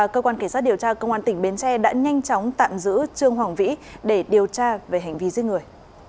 cơ quan kỳ sát điều tra công an tỉnh bến tre đã nhanh chóng tạm giữ trương hoàng vĩ để điều tra về hành vi giết người